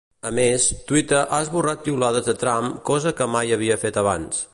A més, Twitter ha esborrat piulades de Trump, cosa que mai havia fet abans.